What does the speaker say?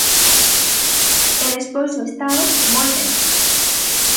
E despois o Estado, moi ben.